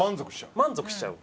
満足しちゃう？